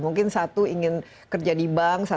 mungkin satu ingin kerja di bank